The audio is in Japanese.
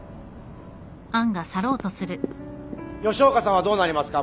吉岡さんはどうなりますか？